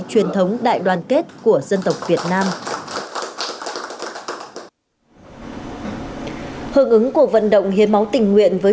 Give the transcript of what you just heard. truyền thống đại đoàn kết của dân tộc việt nam hưởng ứng cuộc vận động hiến máu tình nguyện với